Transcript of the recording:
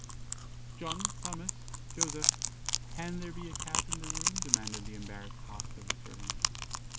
"John, Thomas, Joseph, can there be a Cat in the room?" demanded the embarrassed host of the servants.